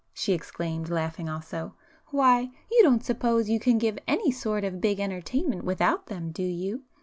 she exclaimed, laughing also, "Why, you don't suppose you can give any sort of big entertainment without them do you?